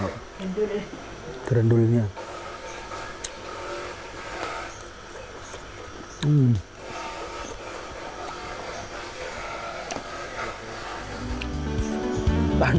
gendul ini kebiarannya mreng